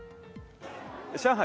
上海